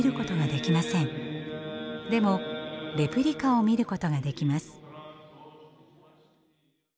でもレプリカを見ることができます。